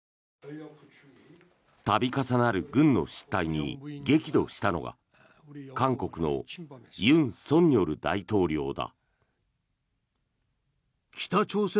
度重なる軍の失態に激怒したのが韓国の尹錫悦大統領だ。